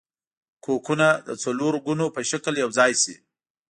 کوکونه د څلورګونو په شکل یوځای شي.